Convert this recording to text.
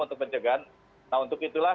untuk pencegahan nah untuk itulah